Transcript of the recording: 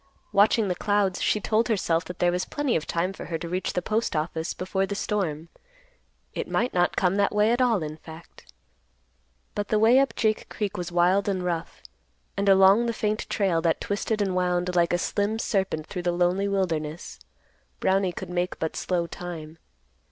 Watching the clouds, she told herself that there was plenty of time for her to reach the Postoffice before the storm. It might not come that way at all, in fact. But the way up Jake Creek was wild and rough, and along the faint trail, that twisted and wound like a slim serpent through the lonely wilderness, Brownie could make but slow time.